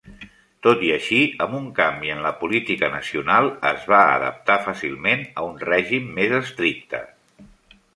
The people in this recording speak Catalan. Tot i així, amb un canvi en la política nacional, es va adaptar fàcilment a un règim més estricte.